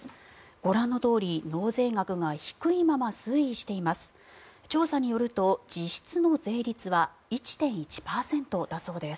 ご覧のとおり納税額が低いまま推移しています。